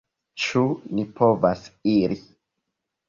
Ĉu ni povas iri?